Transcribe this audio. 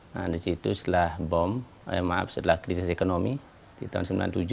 nah disitu setelah bom maaf setelah krisis ekonomi di tahun seribu sembilan ratus sembilan puluh tujuh